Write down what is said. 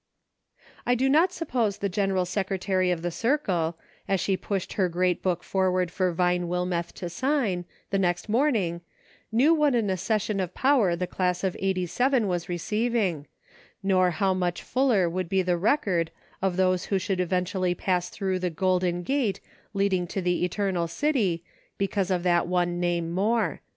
I do not suppose the general secretary of the circle, as she pushed her great book forward for Vine Wilmeth to sign, the next morning, knew what an accession of power the class of Eighty seven was receiving ; nor how much fuller would be the record of those who should eventually pass through the "golden gate" leading to the eternal city, because of that one name more.